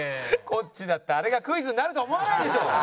こっちだってあれがクイズになるとは思わないでしょ。